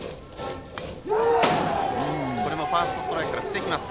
これもファーストストライクから振っていきます。